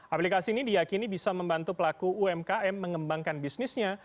aplikasi ini diakini bisa membantu pelaku umkm mengembangkan bisnisnya